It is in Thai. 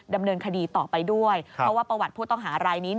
ดำเนินคดีต่อไปด้วยเพราะว่าประวัติผู้ต้องหารายนี้